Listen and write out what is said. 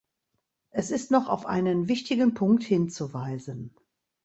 Es ist noch auf einen wichtigen Punkt hinzuweisen.